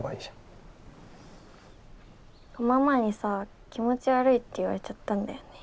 ママにさ「気持ち悪い」って言われちゃったんだよね。